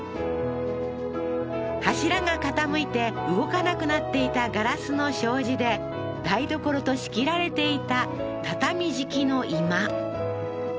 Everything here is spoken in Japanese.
柱が傾いて動かなくなっていたガラスの障子で台所と仕切られていた畳敷きの居間